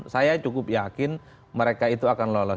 saya cukup yakin mereka itu akan lolos